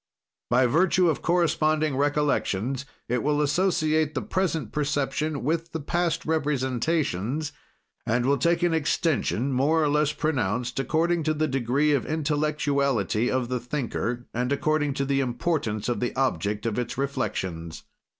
"By virtue of corresponding recollections, it will associate the present perception with the past representations, and will take an extension, more or less pronounced, according to the degree of intellectuality of the thinker, and according to the importance of the object of its reflections.